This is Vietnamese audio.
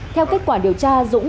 theo kết quả điều tra dũng